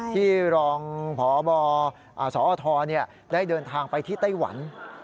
ที่รองพบสอทได้เดินทางไปที่ไต้หวัน